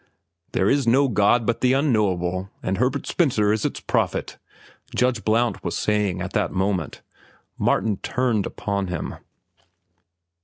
"There is no god but the Unknowable, and Herbert Spencer is its prophet," Judge Blount was saying at that moment. Martin turned upon him.